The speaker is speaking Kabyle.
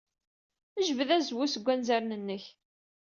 Jbed azwu seg wanzaren-nnek.